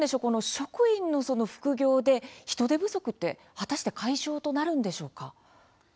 職員の副業で、人手不足って果たして解消となるんでしょうか。